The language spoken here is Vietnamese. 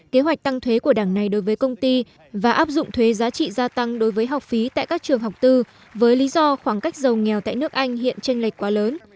kế hoạch tăng thuế của đảng này đối với công ty và áp dụng thuế giá trị gia tăng đối với học phí tại các trường học tư với lý do khoảng cách giàu nghèo tại nước anh hiện tranh lệch quá lớn